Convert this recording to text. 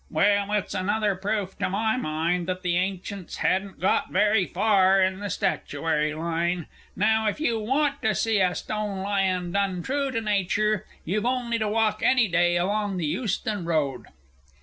Well, it's another proof to my mind that the ancients hadn't got very far in the statuary line. Now, if you want to see a stone lion done true to Nature, you've only to walk any day along the Euston Road.